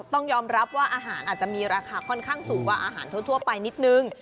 ต้องยอมรับว่าอาหารอาจจะมีราคาค่อนข้างสูงกว่าอาหารทั่วไปนิดนึง